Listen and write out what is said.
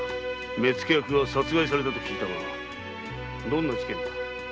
目付役が殺害されたと聞いたがどんな事件だ？